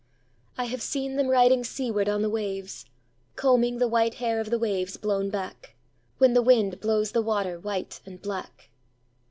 I have seen them riding seaward on the wavesCombing the white hair of the waves blown backWhen the wind blows the water white and black.